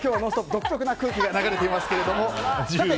独特な空気が流れていますけども。